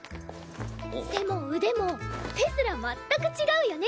背も腕も手すら全く違うよね。